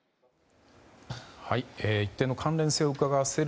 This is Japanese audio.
一定の関連性をうかがわせる